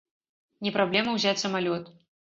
Не праблема ўзяць самалёт.